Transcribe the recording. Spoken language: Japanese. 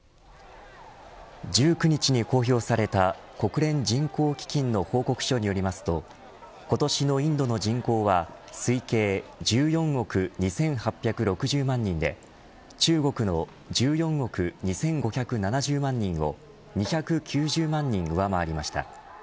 １９日に公表された国連人口基金の報告書によりますと今年のインドの人口は推計１４億２８６０万人で中国の１４億２５７０万人を２９０万人上回りました。